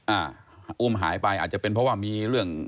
อ่าอุ้มหายไปอาจจะเป็นเพราะว่ามีเรื่อง